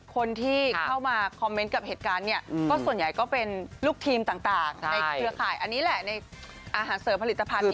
คนที่เข้ามาคอมเมนต์กับหัวเกิดการะบ่มนี้ก็ส่วนใหญ่ว่าก็เป็นลูกทีมต่างคือขายอาหารเสิร์ฟผลิตภัณฑ์นี้